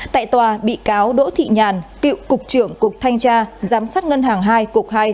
tại tòa bị cáo đỗ thị nhàn cựu cục trưởng cục thanh tra giám sát ngân hàng hai cục hai